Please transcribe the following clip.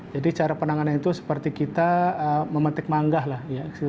jadi cara penanganan itu seperti kita memetik manggah